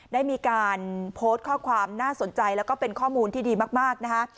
ได้มีการโพสต์ข้อความน่าสนใจแล้วก็เป็นข้อมูลที่ดีมากนะคะ